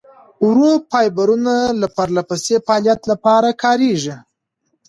ورو فایبرونه د پرلهپسې فعالیت لپاره کار کوي.